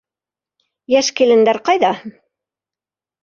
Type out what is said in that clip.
Йәш килендәр ҡайҙа?